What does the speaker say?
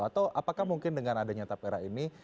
atau apakah mungkin dengan adanya tapera ini